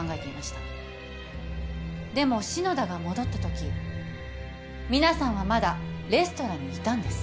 でも篠田が戻ったとき皆さんはまだレストランにいたんです。